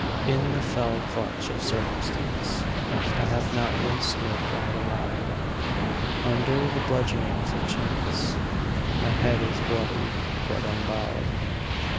In the fell clutch of circumstance, I have not winced nor cried aloud. Under the bludgeonings of chance My head is bloody, but unbowed.